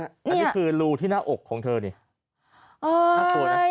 อันนี้คือรูที่หน้าอกของเธอเนี่ย